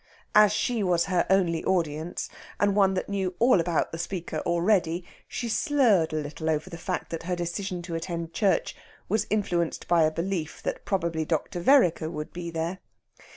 As she was her only audience, and one that knew all about the speaker already, she slurred a little over the fact that her decision to attend church was influenced by a belief that probably Dr. Vereker would be there.